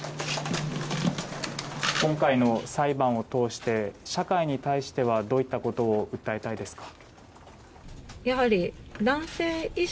今回の裁判を通して社会に対してはどういったことを訴えたいですか。